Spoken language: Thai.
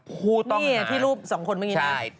พูดต้องหานี่ที่รูปสองคนเมื่อกี้นี่